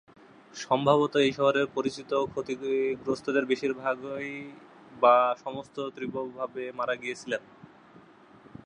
সম্ভবত এই শহরে পরিচিত ক্ষতিগ্রস্তদের বেশিরভাগই বা সমস্তই তীব্রভাবে মারা গিয়েছিলেন।